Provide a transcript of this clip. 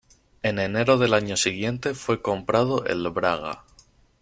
En enero del año siguiente fue comprado por el Braga.